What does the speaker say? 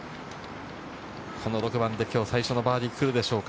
６番で今日最初のバーディーが来るでしょうか。